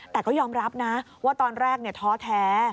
แต่ก็ยอมรับนะว่าตอนแรกท้อแท้